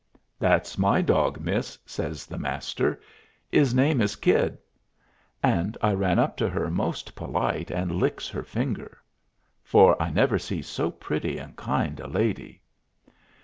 "That's my dog, miss," says the Master. "'Is name is Kid." And I ran up to her most polite, and licks her fingers, for I never see so pretty and kind a lady.